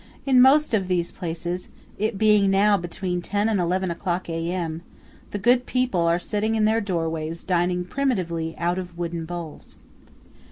In most of these places, it being now between ten and eleven o'clock A.M., the good people are sitting in their doorways dining primitively out of wooden bowls.